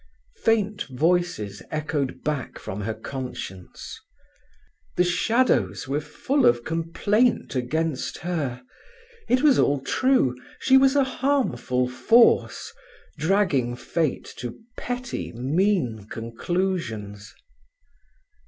Faint voices echoed back from her conscience. The shadows were full of complaint against her. It was all true, she was a harmful force, dragging Fate to petty, mean conclusions.